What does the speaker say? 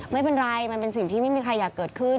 ไม่เป็นไรมันเป็นสิ่งที่ไม่มีใครอยากเกิดขึ้น